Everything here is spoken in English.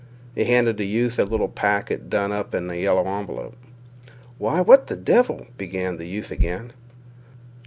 He handed the youth a little packet done up in a yellow envelope. "Why, what the devil—" began the youth again.